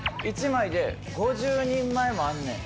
１枚で５０人前もあんねん。